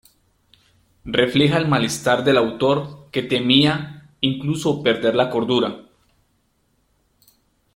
Refleja el malestar del autor que temía, incluso, perder la cordura.